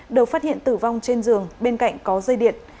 được phát hiện tử vong trên giường bên cạnh có dây điện